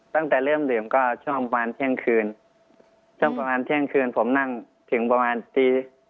ตั้งแต่เริ่มดื่มก็ช่วงประมาณเที่ยงคืนช่วงประมาณเที่ยงคืนผมนั่งถึงประมาณตี